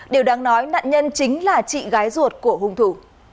điều đáng nói nạn nhân chính là chị gái ruột của hùng thủ